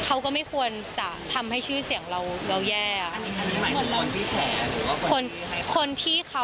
เขาก็ไม่ควรจะทำให้ชื่อเสียงเราเราแย่